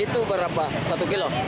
itu berapa satu kilo